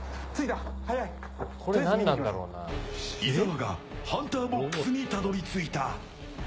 伊沢がハンターボックスにたどり着いた。